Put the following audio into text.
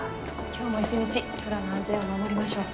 今日も一日空の安全を守りましょう。